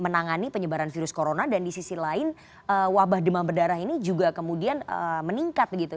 menangani penyebaran virus corona dan di sisi lain wabah demam berdarah ini juga kemudian meningkat begitu